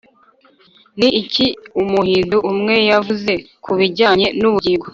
ni iki umuhindu umwe yavuze ku bijyanye n’ubugingo?